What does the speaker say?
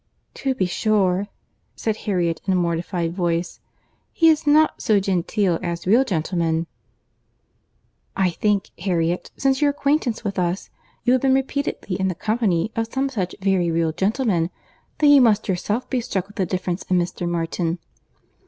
"To be sure," said Harriet, in a mortified voice, "he is not so genteel as real gentlemen." "I think, Harriet, since your acquaintance with us, you have been repeatedly in the company of some such very real gentlemen, that you must yourself be struck with the difference in Mr. Martin.